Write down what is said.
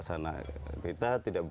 sembilan belas anak kita tidak